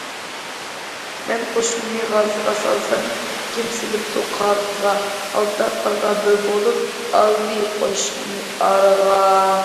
مەن قۇشۇمنى غازغا سالسام، كىم سېلىپتۇ قاغىغا، ئالتە قارغا بىر بولۇپ، ئالدى قۇشۇمنى ئارىغا.